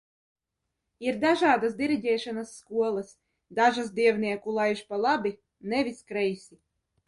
Ir dažādas diriģēšanas skolas. Dažas dievnieku laiž pa labi, nevis kreisi.